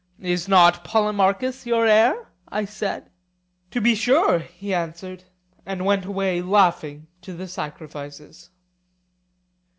Is not Polemarchus your heir? I said. To be sure, he answered, and went away laughing to the sacrifices.